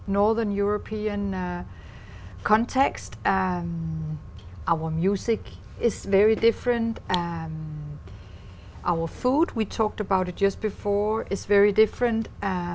nó rất dễ phát triển giữa người đức và người việt